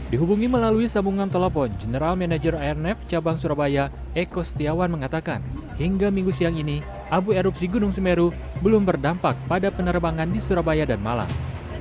dihubungi melalui sambungan telepon general manager airf cabang surabaya eko setiawan mengatakan hingga minggu siang ini abu erupsi gunung semeru belum berdampak pada penerbangan di surabaya dan malang